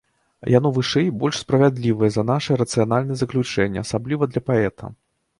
Яно вышэй і больш справядлівае за нашыя рацыянальныя заключэнні, асабліва для паэта.